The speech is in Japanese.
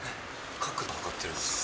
角度測ってるんですか？